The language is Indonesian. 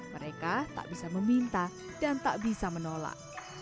mereka tak bisa meminta dan tak bisa menolak